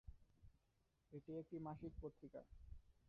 এটি একটি মাসিক পত্রিকা।